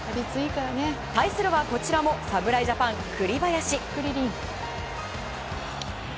対するはこちらも侍ジャパン、栗林。